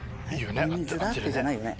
いいよね？